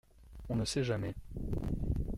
On ne sait jamais.